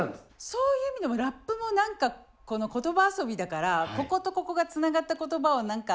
そういう意味でもラップも何か言葉遊びだからこことここがつながった言葉を何か。